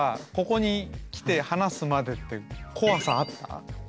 ここに来て話すまでって怖さあった？